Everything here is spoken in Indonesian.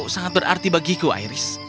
kau sangat berarti bagiku airis